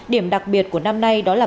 điểm đặc biệt của năm nay đó là